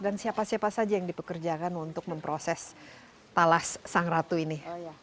dan siapa siapa saja yang dipekerjakan untuk memproses talas sang ratu ini